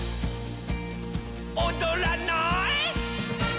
「おどらない？」